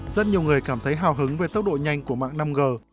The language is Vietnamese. rất nhiều người cảm thấy hào hứng về tốc độ nhanh của mạng năm g